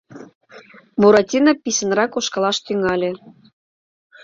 Буратино писынрак ошкылаш тӱҥале.